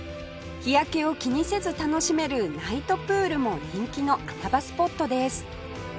日焼けを気にせず楽しめるナイトプールも人気の穴場スポットです